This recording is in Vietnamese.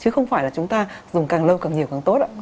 chứ không phải là chúng ta dùng càng lâu càng nhiều càng tốt ạ